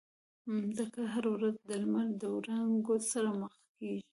مځکه هره ورځ د لمر د وړانګو سره مخ کېږي.